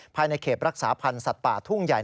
ภายในเขตรักษาพันธ์สัตว์ป่าทุ่งใหญ่